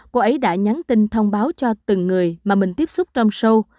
cô ấy đã nhắn tin thông báo cho từng người mà mình tiếp xúc trong sâu